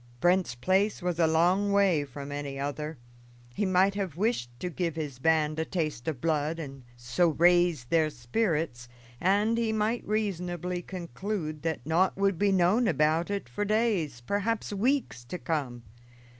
Brent's place was a long way from any other. He might have wished to give his band a taste of blood, and so raise their spirits, and he might reasonably conclude that naught would be known about it for days, perhaps weeks to come.